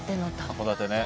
函館ね。